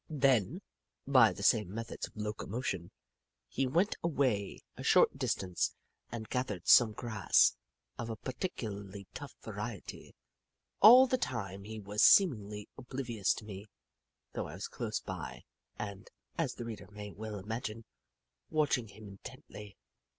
Then, by the same methods of locomotion, he went away a short distance and gathered some grass of a particularly tough variety. All the time he was seemingly oblivious of me, though I was close by and, as the reader may well imagine, watching him intently.